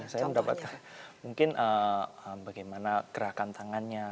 saya mendapatkan mungkin bagaimana gerakan tangannya